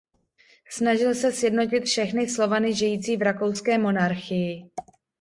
Snažil se sjednotit všechny Slovany žijící v rakouské monarchii.